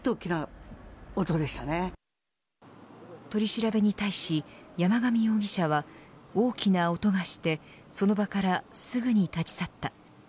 取り調べに対し山上容疑者は大きな音がしてその場からすぐに立ち去った。